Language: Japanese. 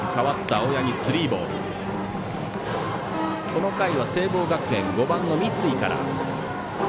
この回は聖望学園５番の三井から。